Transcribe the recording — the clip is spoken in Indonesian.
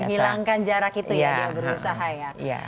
menghilangkan jarak itu ya dia berusaha ya